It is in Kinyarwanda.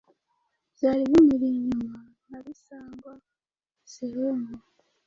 byari bimuri inyuma nka Bisangwa, Sehene,